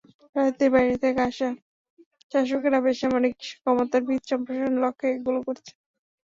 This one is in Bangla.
রাজনীতির বাইরে থেকে আসা শাসকেরা বেসামরিক ক্ষমতার ভিত সম্প্রসারণের লক্ষ্যে এগুলো করেছেন।